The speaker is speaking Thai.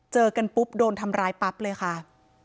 เจอกันปุ๊บโดนทำร้ายปั๊บเลยค่ะ